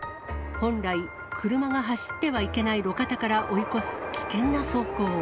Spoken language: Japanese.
本来、車が走ってはいけない路肩から追い越す危険な走行。